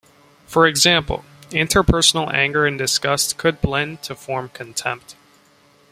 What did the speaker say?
For example, interpersonal anger and disgust could blend to form contempt.